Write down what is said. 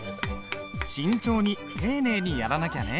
慎重に丁寧にやらなきゃね。